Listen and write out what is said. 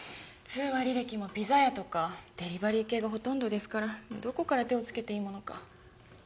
通話履歴もピザ屋とかデリバリー系がほとんどですからどこから手をつけていいものか。